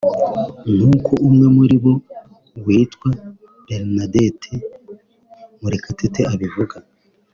nkuko umwe muri bo witwa Bernadette Murekatete abivuga